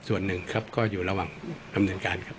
ส่วนหนึ่งครับก็อยู่ระหว่างดำเนินการครับ